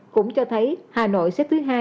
cũng cho thấy hà nội xếp thứ hai